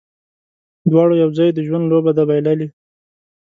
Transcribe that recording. دواړو یو ځای، د ژوند لوبه ده بایللې